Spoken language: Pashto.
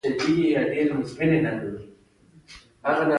د مخ د روښانه کولو لپاره کوم ماسک وکاروم؟